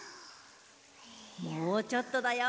もうちょっとだよ。